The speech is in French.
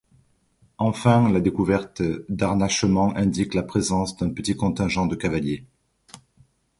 Enfin la découverte d'harnachements indique la présence d'un petit contingent de cavaliers.